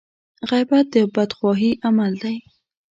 غيبت د بدخواهي عمل دی.